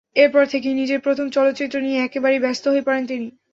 এরপর থেকেই নিজের প্রথম চলচ্চিত্র নিয়ে একেবারেই ব্যস্ত হয়ে পড়েন তিনি।